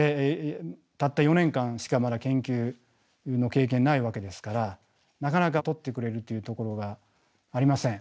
たった４年間しかまだ研究の経験ないわけですからなかなか採ってくれるというところがありません。